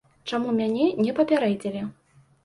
Чаму мяне не папярэдзілі?